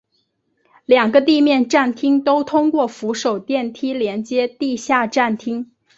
两个地面站厅都通过扶手电梯连接地下站厅。